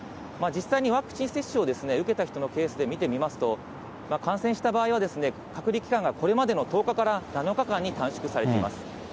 実際にワクチン接種を受けた人のケースで見てみますと、感染した場合は、隔離期間が、これまでの１０日から７日間に短縮されています。